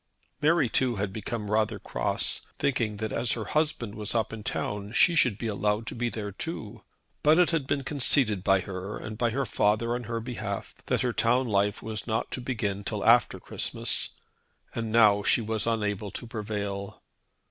Mary too had become rather cross, thinking that as her husband was up in town she should be allowed to be there too. But it had been conceded by her, and by her father on her behalf, that her town life was not to begin till after Christmas, and now she was unable to prevail.